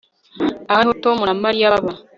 Aha niho Tom na Mariya baba